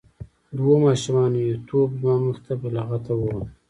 دوو ماشومانو یو توپ زما مخې ته په لغتو وواهه.